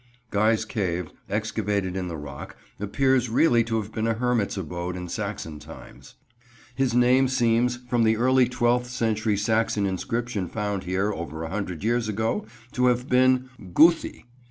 Guy's Cave, excavated in the rock, appears really to have been a hermit's abode in Saxon times. His name seems, from the early twelfth century Saxon inscription found here over a hundred years ago, to have been "Guhthi."